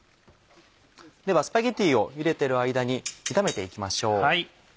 ではスパゲティをゆでている間に炒めて行きましょう。